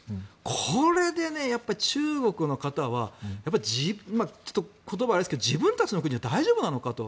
これで中国の方は言葉はあれですけど自分たちの国は大丈夫なのかと。